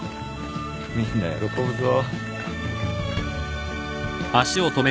みんな喜ぶぞ。